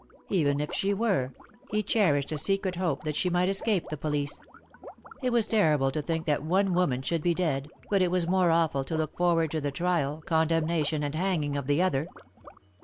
Even if she were, he cherished a secret hope that she might escape the police. It was terrible to think that one woman should be dead, but it was more awful to look forward to the trial, condemnation, and hanging of the other.